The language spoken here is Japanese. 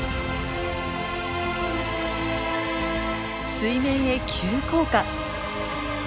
水面へ急降下。